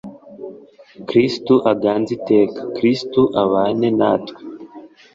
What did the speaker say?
kristu aganze iteka, kristu abane natwe